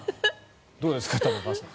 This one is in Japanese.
どうですか玉川さん。